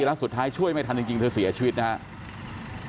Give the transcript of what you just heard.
แล้วสุดท้ายช่วยไม่ทันจริงเธอเสียชีวิตนะครับ